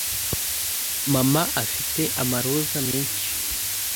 Mama afite amaroza menshi meza.